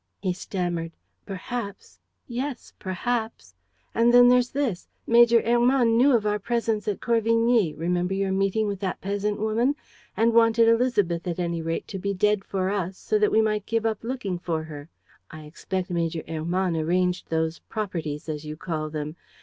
He stammered: "Perhaps ... yes ... perhaps. ... And then there's this: Major Hermann knew of our presence at Corvigny remember your meeting with that peasant woman and wanted Élisabeth at any rate to be dead for us, so that we might give up looking for her. I expect Major Hermann arranged those properties, as you call them.